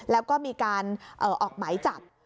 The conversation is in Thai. แล้วก็มีการออกหมายจับ